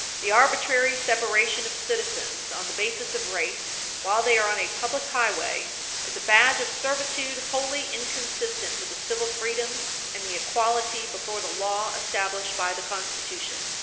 562 The arbitrary separation of citizens on the basis of race while they are on a public highway is a badge of servitude wholly inconsistent with the civil freedom and the equality before the law established by the Constitution.